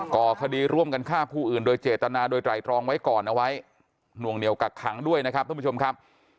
ก่อคดีร่วมกันฆ่าผู้อื่นโดยเจตนาโดยไตรรองไว้ก่อนเอาไว้หน่วงเหนียวกักขังด้วยนะครับท่านผู้ชมครับ